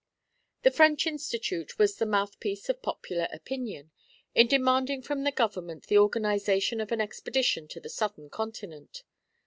The French Institute was the mouthpiece of popular opinion, in demanding from the government the organization of an expedition to the southern continent.